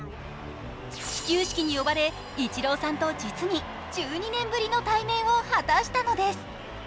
始球式に呼ばれ、イチローさんと実に１２年ぶりの対面を果たしたのです。